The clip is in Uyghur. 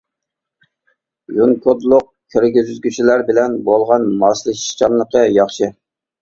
يۇنىكودلۇق كىرگۈزگۈچلەر بىلەن بولغان ماسلىشىشچانلىقى ياخشى.